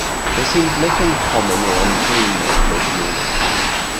There seemed nothing common or unclean that fresh morning.